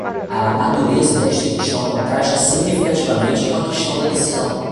A natureza desta questão contrasta significativamente com a questão da decisão.